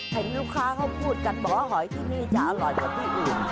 เห็นลูกค้าเขาพูดกันบอกว่าหอยที่นี่จะอร่อยกว่าที่อื่น